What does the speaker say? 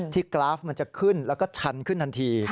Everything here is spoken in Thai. กราฟมันจะขึ้นแล้วก็ชันขึ้นทันที